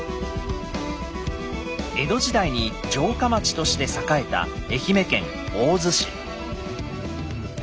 江戸時代に城下町として栄えた愛媛県大洲市。